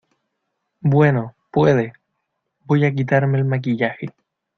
bueno, puede. voy a quitarme el maquillaje .